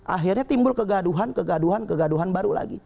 akhirnya timbul kegaduhan kegaduhan kegaduhan baru lagi